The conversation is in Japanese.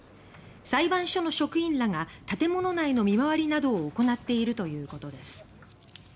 裁判所の職員らが建物内の見回りなどを行っているということです。